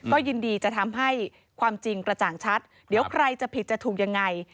ก็ยินดีจะทำให้ความจริงกระจ่างชัดเดี๋ยวใครจะผิดจะถูกยังไง